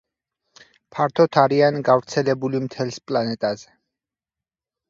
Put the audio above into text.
ფართოდ არიან გავრცელებული მთელს პლანეტაზე.